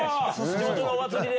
地元のお祭りで。